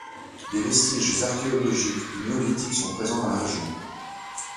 Des vestiges archéologiques du Néolithique sont présents dans la région.